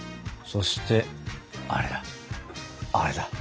そしてあれだ。